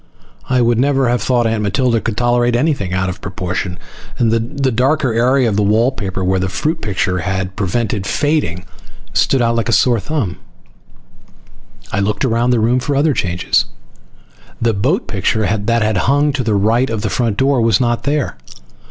I would never have thought Aunt Matilda could tolerate anything out of proportion. And the darker area of wallpaper where the fruit picture had prevented fading stood out like a sore thumb. I looked around the room for other changes. The boat picture that had hung to the right of the front door was not there.